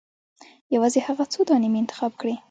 یوازې هغه څو دانې مې انتخاب کړې.